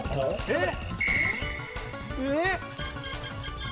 えっ⁉